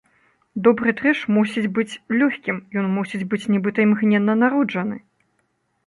Добры трэш мусіць быць лёгкім, ён мусіць быць нібыта імгненна народжаны.